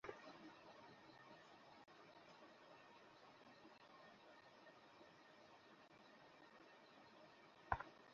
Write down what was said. যখন বেঁচে ছিলেন, প্রতি ম্যাচের পরই সবার আগে আমাকে ফোন করতেন।